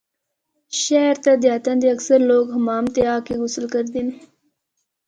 شہر تے دیہاتاں دے اکثر لوگ حمام تے آ کے غسل کردے ہن۔